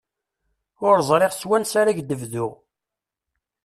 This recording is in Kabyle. Ur ẓriɣ s wansa ara ak-d-bduɣ.